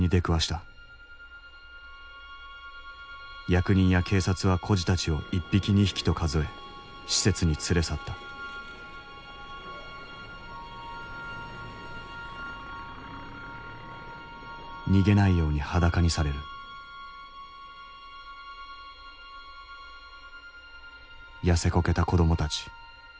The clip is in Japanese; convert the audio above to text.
役人や警察は孤児たちを１匹２匹と数え施設に連れ去った逃げないように裸にされる痩せこけた子どもたち。